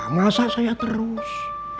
masa saya terus